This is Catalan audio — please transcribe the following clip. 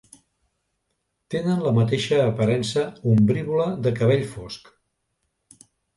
Tenen la mateixa aparença ombrívola de cabell fosc.